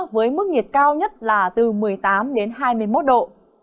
với mức nhiệt cao nhất là từ một mươi tám đến hai mươi một độ